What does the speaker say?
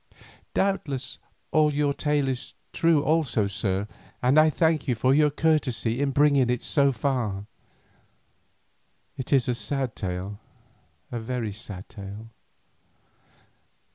Doubtless all your tale is true also, sir, and I thank you for your courtesy in bringing it so far. It is a sad tale, a very sad tale.